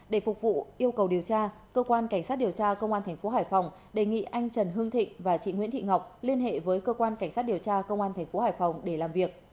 để phục vụ yêu cầu điều tra cơ quan cảnh sát điều tra công an thành phố hải phòng đề nghị anh trần hương thịnh và chị nguyễn thị ngọc liên hệ với cơ quan cảnh sát điều tra công an tp hải phòng để làm việc